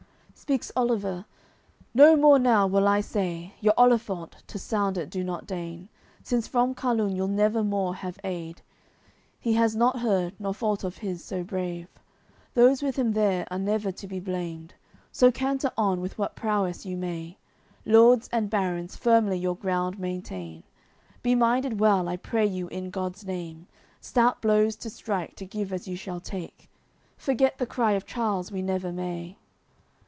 AOI. XCII Speaks Oliver: "No more now will I say. Your olifant, to sound it do not deign, Since from Carlun you'll never more have aid. He has not heard; no fault of his, so brave. Those with him there are never to be blamed. So canter on, with what prowess you may! Lords and barons, firmly your ground maintain! Be minded well, I pray you in God's Name, Stout blows to strike, to give as you shall take. Forget the cry of Charles we never may."